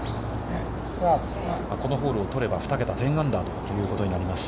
このホールを取れば、２桁、１０アンダーということになります。